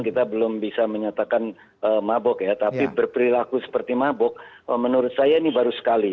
kita belum bisa menyatakan mabok ya tapi berperilaku seperti mabok menurut saya ini baru sekali